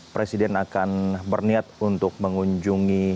presiden akan berniat untuk mengunjungi